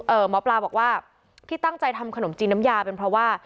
หมอปลาบอกว่าที่ตั้งใจทำขนมจีนน้ำยาเป็นเพราะว่า